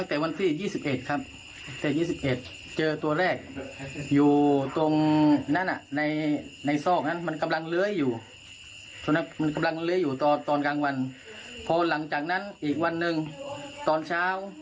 แฟนจะเกิดมาตั้งแต่วันที่๒๑ครับ